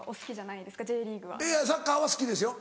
いやサッカーは好きですよ。